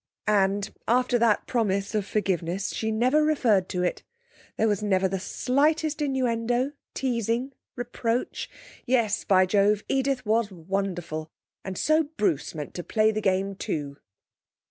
And, after that promise of forgiveness, she never referred to it; there was never the slightest innuendo, teasing, reproach. Yes, by Jove! Edith was wonderful! And so Bruce meant to play the game too.